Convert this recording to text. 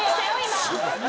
今。